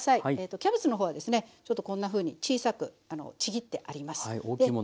キャベツの方はですねちょっとこんなふうに小さくちぎってあります。